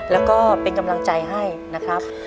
แล้วก็เป็นกำลังใจให้นะครับ